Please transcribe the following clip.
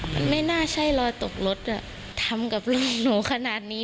มันไม่น่าใช่รอยตกรถทำกับลูกหนูขนาดนี้